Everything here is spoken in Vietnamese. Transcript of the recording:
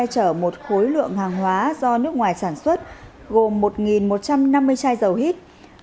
chở một khối lượng hàng hóa do nước ngoài sản xuất gồm một một trăm năm mươi chai dầu hít